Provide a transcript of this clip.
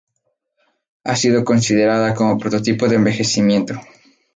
Ha sido considerada como prototipo de envejecimiento.